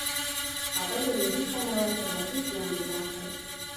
هغه له روحي پلوه تر اغېز لاندې راغی.